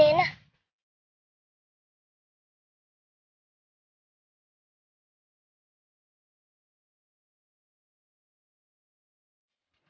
ini kayunya aku ganti